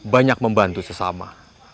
banyak membantu sesama